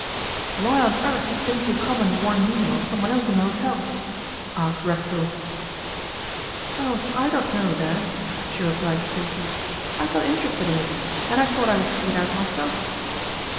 'Why on earth didn't you come and warn me or someone else in the hotel?' asked Racksole. 'Oh, I don't know, Dad,' she replied sweetly. 'I had got interested in it, and I thought I would see it out myself.